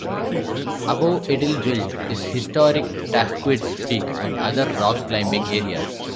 Above Idyllwild is historic Tahquitz Peak and other rock climbing areas.